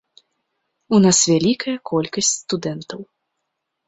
У нас вялікая колькасць студэнтаў.